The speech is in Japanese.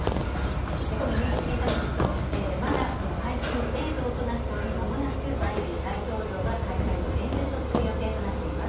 この民主主義サミット、まだ配信映像となっておりまもなくバイデン大統領が開会の演説をする予定となっています。